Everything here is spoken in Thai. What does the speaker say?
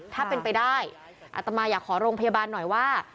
ถ้าเป็นไปได้อัตมาอยากขอโรงพยาบาลหน่อยว่า